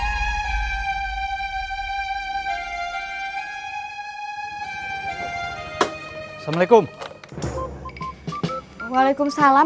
ya udah aku mau pulang